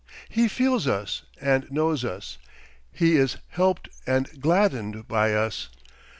He feels us and knows us; he is helped and gladdened by us.